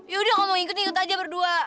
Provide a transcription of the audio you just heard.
yaudah ngomong ikut ikut aja berdua